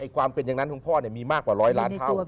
ความเป็นอย่างนั้นของพ่อมีมากกว่า๑๐๐ล้านเท่า